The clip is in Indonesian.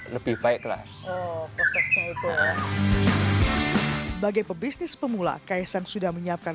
lebih baiklah prosesnya itu sebagai pebisnis pemula kaisang sudah menyiapkan